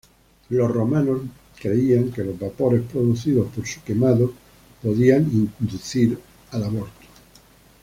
Los romanos creían que los vapores producidos por su quemado podían inducir el aborto.